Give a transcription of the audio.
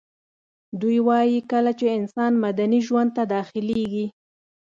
دوی وايي کله چي انسان مدني ژوند ته داخليږي